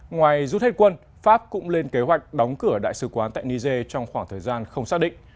ngoài rút hết quân pháp cũng lên kế hoạch đóng cửa đại sứ quán tại niger trong khoảng thời gian không xác định